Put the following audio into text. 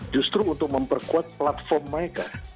justru untuk memperkuat platform mereka